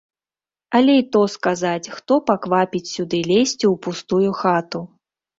Але і то сказаць, хто паквапіць сюды лезці ў пустую хату.